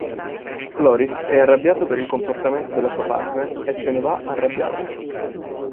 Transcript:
Floris è arrabbiato per il comportamento della sua partner e se ne va arrabbiato.